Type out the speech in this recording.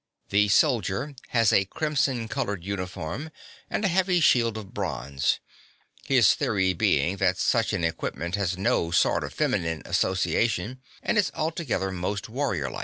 The soldier has a crimson coloured uniform and a heavy shield of bronze; his theory being that such an equipment has no sort of feminine association, and is altogether most warrior like.